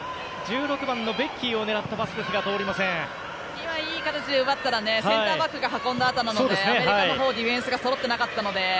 今、いい形で奪ったらセンターバックが運んだあとなのでアメリカのほうディフェンスがそろっていなかったので。